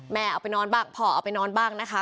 เอาไปนอนบ้างพ่อเอาไปนอนบ้างนะคะ